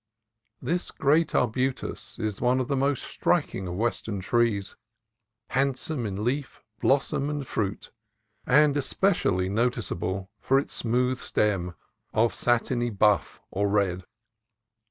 This great arbutus is one of the most strik ing of Western trees, handsome in leaf, blossom, and fruit, and especially noticeable for its smooth stem of satiny buff or red.